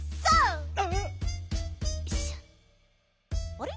あれ？